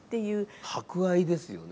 博愛ですよね